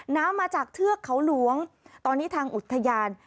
น้ำมาจากเทือกเขาหลวงตอนนี้ทางอุทยาน